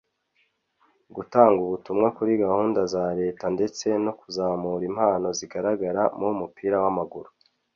gutanga ubutumwa kuri gahunda za leta ndetse no kuzamura impano zigaragara mu mupira w’amaguru